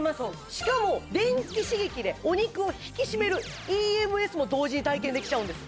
しかも電気刺激でお肉を引き締めるＥＭＳも同時に体験できちゃうんです